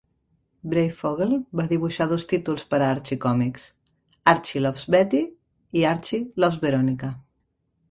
Breyfogle va dibuixar dos títols per a Archie Comics: "Archie loves Betty" i "Archie loves Veronica".